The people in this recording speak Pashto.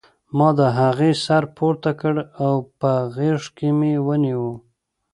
ما د هغې سر پورته کړ او په غېږ کې مې ونیو